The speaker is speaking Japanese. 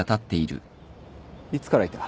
いつからいた？